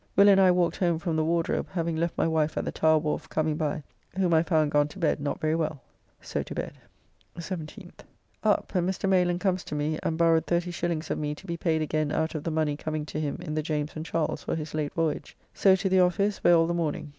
Will and I walked home from the Wardrobe, having left my wife at the Tower Wharf coming by, whom I found gone to bed not very well.... So to bed. 17th. Up, and Mr. Mayland comes to me and borrowed 30s. of me to be paid again out of the money coming to him in the James and Charles for his late voyage. So to the office, where all the morning.